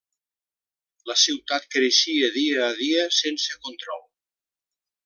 La ciutat creixia dia a dia sense control.